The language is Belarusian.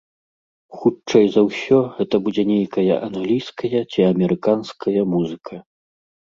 Хутчэй за ўсе, гэта будзе нейкая англійская ці амерыканская музыка.